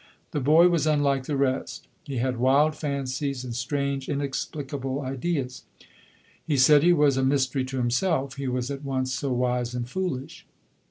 The boy was unlike the rest ; he 78 LODORE. had wild fancies and strange inexplicable ideas. He said he was a mystery to himself — he was at once so wise and foolish.